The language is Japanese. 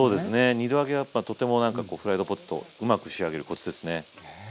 ２度揚げはやっぱとてもなんかこうフライドポテトをうまく仕上げるコツですね。